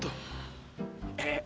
tuh eh eh eh